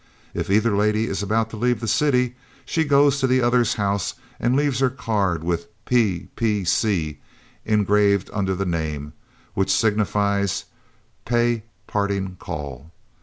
If either lady is about to leave the city, she goes to the other's house and leaves her card with "P. P. C." engraved under the name which signifies, "Pay Parting Call."